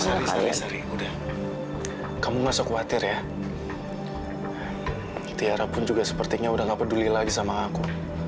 sehari udah kamu gak usah khawatir ya tiara pun juga sepertinya udah gak peduli lagi sama aku